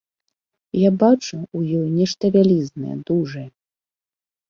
Я бачу ў ёй нешта вялізнае, дужае.